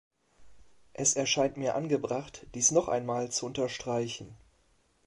Es erscheint mir angebracht, dies noch einmal zu unterstreichen.